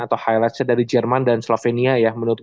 tim tim underdog yang